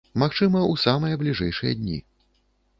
Магчыма, у самыя бліжэйшыя дні.